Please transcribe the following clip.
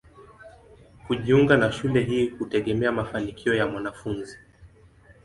Kujiunga na shule hii hutegemea mafanikio ya mwanafunzi.